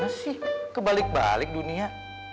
gak sih kebalik balik dunia